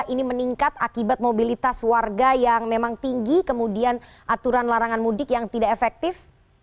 ini meningkat akibat mobilitas warga yang memang tinggi kemudian aturan larangan mudik yang tidak efektif